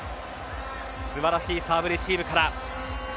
素晴らしいサーブレシーブから。